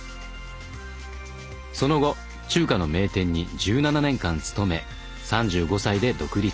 その後中華の名店に１７年間勤め３５歳で独立。